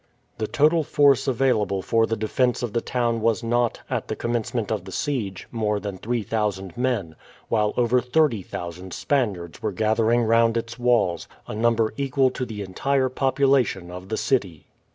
The total force available for the defence of the town was not, at the commencement of the siege, more than 3000 men, while over 30,000 Spaniards were gathering round its walls, a number equal to the entire population of the city.